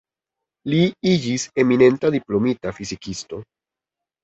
Li iĝis eminenta diplomita fizikisto.